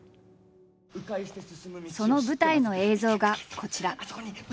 その舞台の映像がこちら。